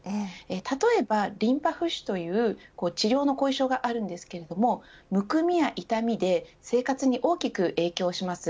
例えばリンパ浮腫という治療の後遺症があるんですけどむくみや痛みで生活に大きく影響します。